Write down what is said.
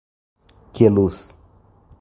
Queluz